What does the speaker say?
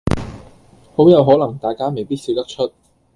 好有可能大家未必笑得出